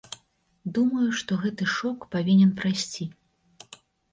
Думаю, што гэты шок павінен прайсці.